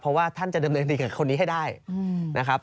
เพราะว่าท่านจะดำเนินคดีกับคนนี้ให้ได้นะครับ